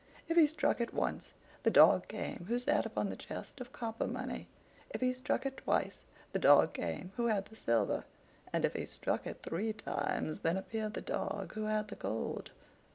If he struck it once, the dog came who sat upon the chest of copper money; if he struck it twice, the dog came who had the silver; and if he struck it three times, then appeared the dog who had the gold.